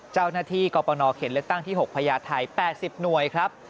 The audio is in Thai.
เจ้าหน้าที่กรปนเขตเลือกตั้งที่๖พญาไทย๘๐หน่วยครับ